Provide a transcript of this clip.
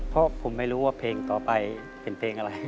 เพราะผมไม่รู้ว่าเพลงต่อไปเป็นเพลงอะไร